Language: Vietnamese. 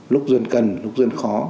lúc dân cần lúc dân khó